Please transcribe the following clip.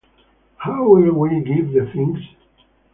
How will we give the things?